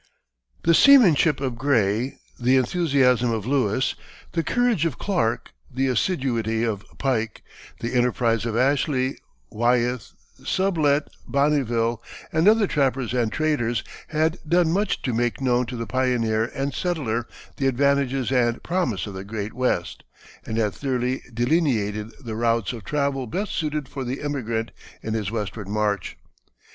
The seamanship of Gray, the enthusiasm of Lewis, the courage of Clarke, the assiduity of Pike, the enterprise of Ashley, Wyeth, Sublette, Bonneville, and other trappers and traders, had done much to make known to the pioneer and settler the advantages and promise of the great West, and had roughly delineated the routes of travel best suited for the emigrant in his westward march.